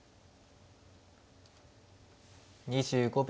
２５秒。